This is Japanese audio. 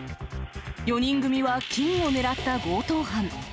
４人組は金を狙った強盗犯。